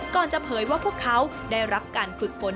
จะเผยว่าพวกเขาได้รับการฝึกฝน